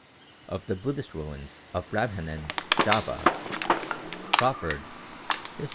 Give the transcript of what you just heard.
Of the Buddhist ruins of Brambanan, Java, Crawfurd (_Hist.